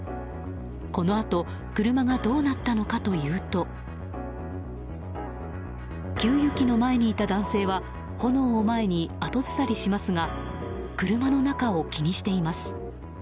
このあと車がどうなったのかというと給油機の前にいた男性は炎を前に後ずさりしますが車の中を気にしています。